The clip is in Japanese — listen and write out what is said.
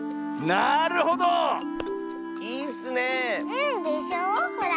うんでしょほら。